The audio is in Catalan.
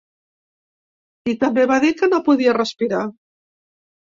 I també va dir que no podia respirar.